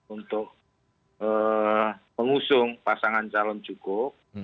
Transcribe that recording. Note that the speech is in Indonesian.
untuk mengusung pasangan calon cukup